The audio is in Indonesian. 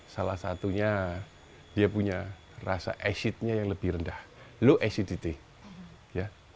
salah satunya dia punya rasa acidnya yang lebih rendah low acidity